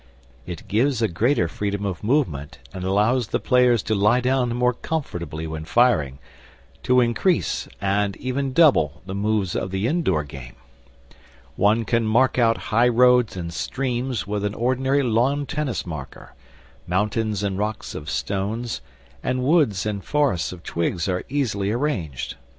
It gives a greater freedom of movement and allows the players to lie down more comfortably when firing, to increase, and even double, the moves of the indoor game. One can mark out high roads and streams with an ordinary lawn tennis marker, mountains and rocks of stones, and woods and forests of twigs are easily arranged.